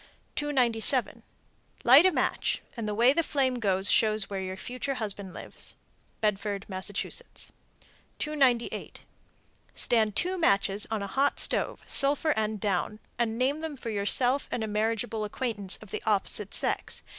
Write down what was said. _ 297. Light a match, and the way the flame goes shows where your future husband lives. Bedford, Mass. 298. Stand two matches on a hot stove, sulphur end down, and name them for yourself and a marriageable acquaintance of the opposite sex.